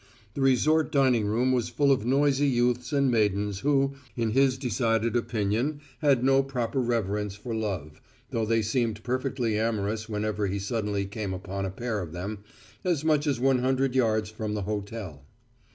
The resort dining room was full of noisy youths and maidens who, in his decided opinion had no proper reverence for love, though they seemed perfectly amorous whenever he suddenly came upon a pair of them as much as one hundred yards from the hotel.